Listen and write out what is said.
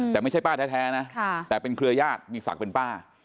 แต่ไม่ใช่ป้าแท้นะแต่เป็นเครือญาติมีศักดิ์เป็นป้า